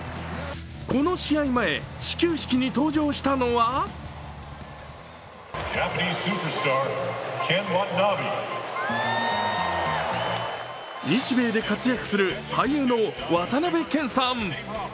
この試合前、始球式に登場したのは日米で活躍する俳優の渡辺謙さん。